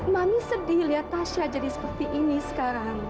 mami sedih lihat tasya jadi seperti ini sekarang